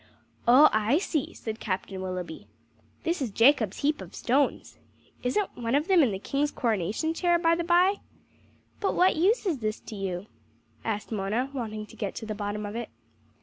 "Oh, I see," said Captain Willoughby. "This is Jacob's heap of stones. Isn't one of them in the King's coronation chair, by the bye?" "But what use is this to you?" asked Mona, wanting to get to the bottom of it.